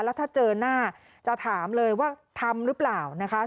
แล้วถ้าเจอหน้าจะถามเลยว่าทำหรือเปล่านะคะ